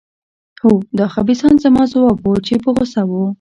هو، دا خبیثان. زما ځواب و، چې په غوسه وو.